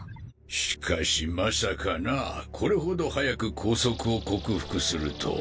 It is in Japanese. しかしまさかなぁこれほど早く拘束を克服するとは